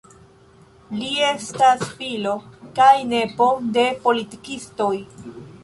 Li estas filo kaj nepo de politikistoj.